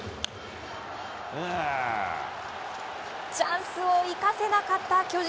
チャンスを生かせなかった巨人。